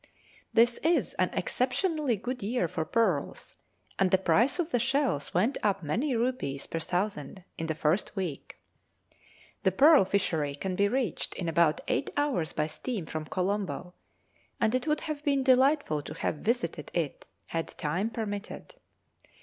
This is an exceptionally good year for pearls, and the price of the shells went up many rupees per thousand in the first week. The pearl fishery can be reached in about eight hours by steam from Colombo, and it would have been delightful to have visited it, had time permitted.